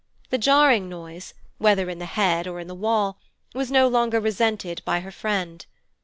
The jarring noise, whether in the head or in the wall, was no longer resented by her friend.